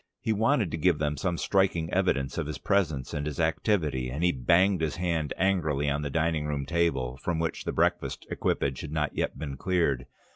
He wanted to give them some striking evidence of his presence and his activity, and he banged his hand angrily on the dining room table, from which the breakfast equipage had not yet been cleared.